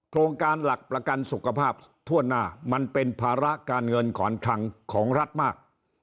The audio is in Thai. โครงการหลักประกันสุขภาพทั่วหน้ามันเป็นภาระการเงินขอนคลังของรัฐมาก